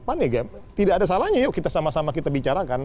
paniga tidak ada salahnya yuk kita sama sama kita bicarakan